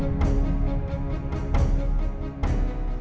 jadi kita membutuhkan donor dari yang lain